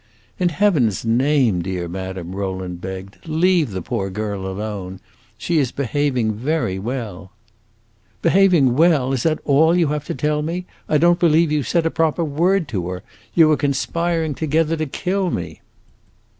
"In Heaven's name, dear madame," Rowland begged, "leave the poor girl alone! She is behaving very well!" "Behaving very well? Is that all you have to tell me? I don't believe you said a proper word to her. You are conspiring together to kill me!"